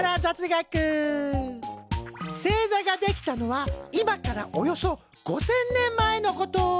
星座が出来たのは今からおよそ５，０００年前のこと。